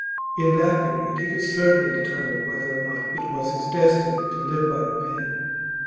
In that period he could certainly determine whether or not it was his destiny to live by the pen.